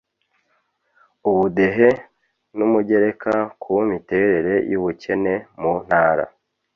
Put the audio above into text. «ubudehe» n'umugereka ku miterere y'ubukene mu ntara,